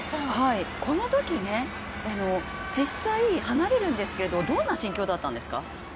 このとき、実際離れるんですけれども、どんな心境だったんですか？